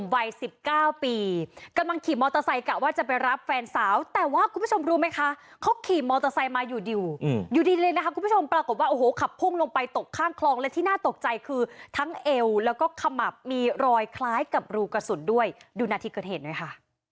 วัย๑๙ปีกำลังขี่มอเตอร์ไซค์กะว่าจะไปรับแฟนสาวแต่ว่าคุณผู้ชมรู้ไหมคะเขาขี่มอเตอร์ไซค์มาอยู่ดีอยู่ดีเลยนะคะคุณผู้ชมปรากฏว่าโอ้โหขับพุ่งลงไปตกข้างคลองและที่น่าตกใจคือทั้งเอวแล้วก็ขมับมีรอยคล้ายกับรูกระสุนด้วยดูนาทีเกิดเหตุหน่อยค่ะ